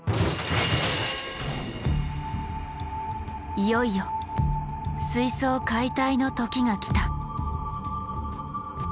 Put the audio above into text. いよいよ水槽解体の時が来た。